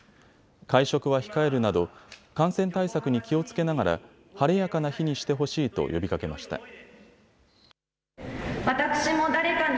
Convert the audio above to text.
会食は控えるなど感染対策に気をつけながら晴れやかな日にしてほしいと呼びかけました。